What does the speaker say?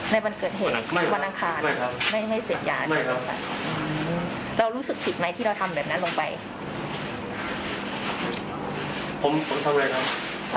ในวันเกิดเหตุหรือวันอังคาร